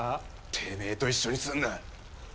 てめえと一緒にすんな！